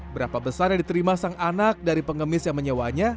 berapa besar yang diterima sang anak dari pengemis yang menyewanya